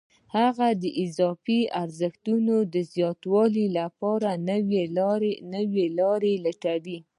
هغه د اضافي ارزښت د زیاتولو لپاره نورې لارې لټوي